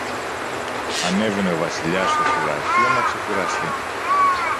ανέβαινε ο Βασιλιάς στο φρουραρχείο να ξεκουραστεί